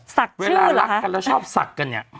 สักชื่อหรอคะ